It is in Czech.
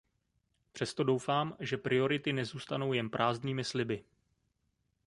Přesto doufám, že priority nezůstanou jen prázdnými sliby.